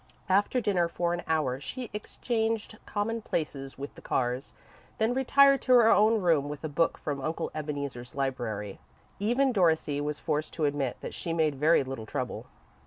After dinner, for an hour, she exchanged commonplaces with the Carrs, then retired to her own room with a book from Uncle Ebeneezer's library. Even Dorothy was forced to admit that she made very little trouble.